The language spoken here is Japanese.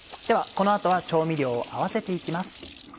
この後は調味料を合わせて行きます。